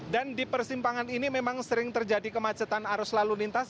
dan di persimpangan ini memang sering terjadi kemacetan arus lalu lintas